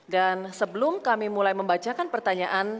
dan sebelum kami mulai membacakan pertanyaan